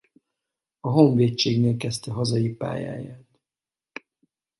A honvédségnél kezdte hazai pályáját.